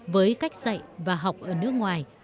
với cách dạy và học ở nước ngoài